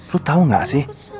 lo tau ga sih